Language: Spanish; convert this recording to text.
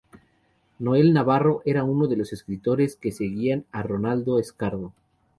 Noel Navarro era uno de los escritores que seguían a Rolando Escardó.